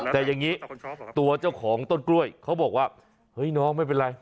แต่อย่างนี้ตัวเจ้าของต้นกล้วยเขาบอกว่าเฮ้ยน้องไม่เป็นไร